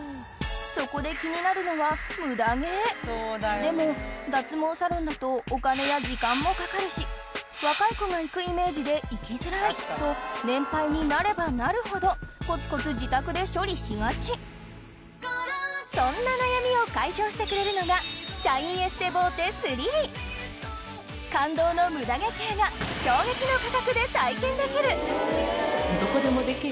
そこで気になるのはでも脱毛サロンだとお金や時間もかかるし若い子が行くイメージで行きづらいと年配になればなるほどコツコツ自宅で処理しがちそんな悩みを解消してくれるのが感動のムダ毛ケアがで体験できる！